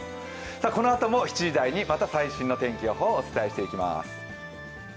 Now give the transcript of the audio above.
このあとも７時台に最新の天気予報をお伝えしていきます。